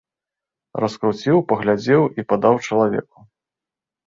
Раскруціў, паглядзеў і падаў чалавеку.